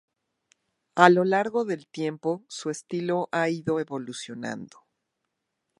A lo largo del tiempo su estilo ha ido evolucionando.